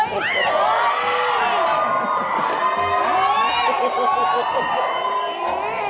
เฮ่ย